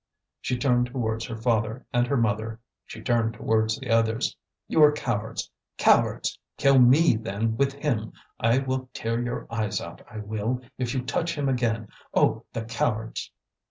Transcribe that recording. She turned towards her father and her mother; she turned towards the others. "You are cowards! cowards! Kill me, then, with him! I will tear your eyes out, I will, if you touch him again. Oh! the cowards!"